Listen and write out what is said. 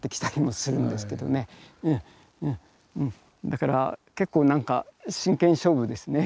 だから結構真剣勝負ですね。